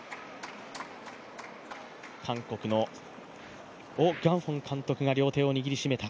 韓国のオ・グァンホン監督が両手を握りしめた